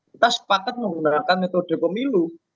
kita sepakat menggunakan metode pemilu